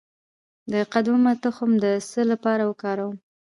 د قدومه تخم د څه لپاره وکاروم؟